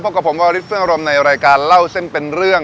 กับผมวาริสเฟื้องอารมณ์ในรายการเล่าเส้นเป็นเรื่อง